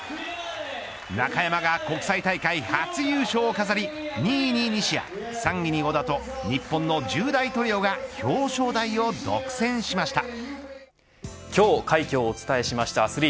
中山が国際大会初優勝を飾り２位に西矢、３位に織田と日本の１０代トリオが表彰台を独占しました。